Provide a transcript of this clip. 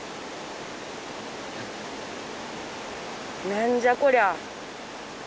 何じゃこりゃ。